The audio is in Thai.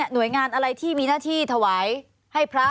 หน่วยงานอะไรที่มีหน้าที่ถวายให้พระ